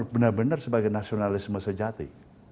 benar benar sebagai nasionalisme sejati